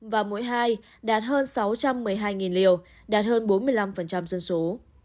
và mỗi hai đạt hơn sáu trăm một mươi hai liều đạt hơn bốn mươi năm dân số